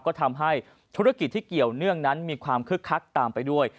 ก็ทำให้ธุรกิจที่เกี่ยวเนื่องนั้นมีความคึกคักตามไปด้วย